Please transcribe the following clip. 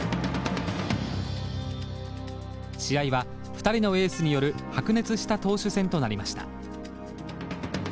試合は２人のエースによる白熱した投手戦となりました。